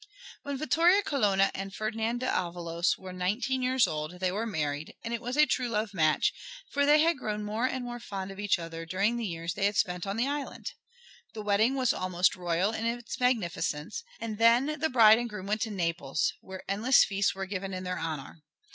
When Vittoria Colonna and Ferdinand d'Avalos were nineteen years old they were married, and it was a true love match, for they had grown more and more fond of each other during the years they had spent on the island. The wedding was almost royal in its magnificence, and then bride and groom went to Naples, where endless feasts were given in their honor.